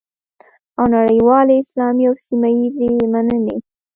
او نړیوالې، اسلامي او سیمه ییزې مننې